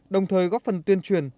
đồng thời góp phần tuyên truyền